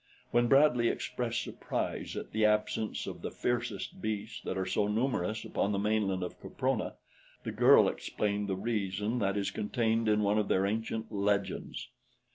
When Bradley expressed surprise at the absence of the fiercest beasts that are so numerous upon the mainland of Caprona, the girl explained the reason that is contained in one of their ancient legends.